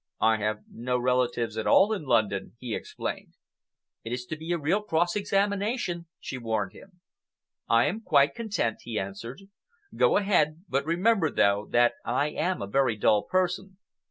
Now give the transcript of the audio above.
"I have no relatives at all in London," he explained. "It is to be a real cross examination," she warned him. "I am quite content," he answered. "Go ahead, but remember, though, that I am a very dull person."